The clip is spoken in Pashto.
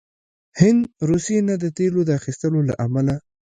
هند روسيې نه د تیلو د اخیستلو له امله